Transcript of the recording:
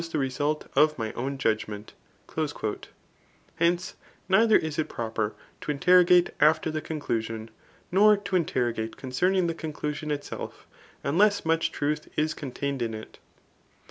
the result of my own judgment/' Hence^ neither is it proper to interro gate after the conclusion, nor to interrogate concerning the conclusion itself, unless much truth is contained in it.